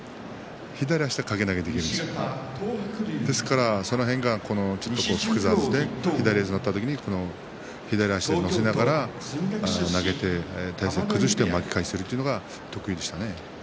左足では掛け投げができるんですがその辺が複雑で左四つになった時に左足で乗せながら投げで体勢を崩して巻き替えをするというのが得意でしたね。